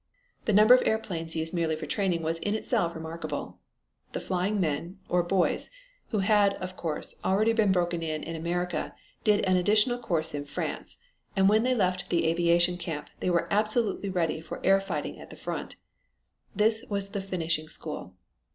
The number of airplanes used merely for training was in itself remarkable. The flying men or boys who had, of course, already been broken in in America, did an additional course in France, and when they left the aviation camp they were absolutely ready for air fighting at the front. This was the finishing school.